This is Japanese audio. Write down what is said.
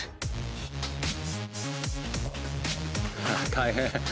大変。